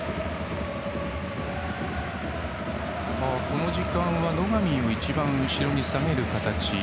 この時間は野上を一番後ろに下げる形。